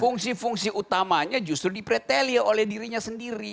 fungsi fungsi utamanya justru dipretelia oleh dirinya sendiri